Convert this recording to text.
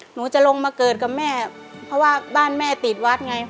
หนูจะลงมาเกิดกับแม่เพราะว่าบ้านแม่ติดวัดไง